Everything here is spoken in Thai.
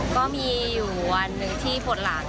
ก็มีอยู่วันหนึ่งที่ปวดหลัง